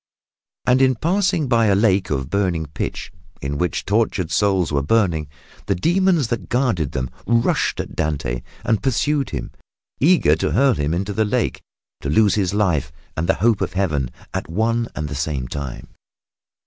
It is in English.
And in passing by a lake of burning pitch, in which tortured souls were burning, the demons that guarded them rushed at Dante and pursued him, eager to hurl him into the lake to lose his life and the hope of Heaven at one and the same time.